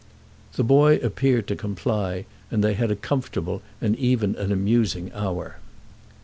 The boy appeared to comply, and they had a comfortable and even an amusing hour.